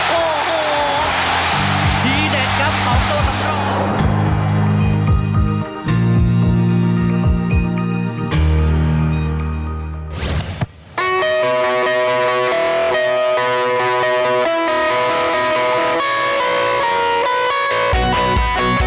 โอ้โหทีเด็ดครับของตัวสำรอง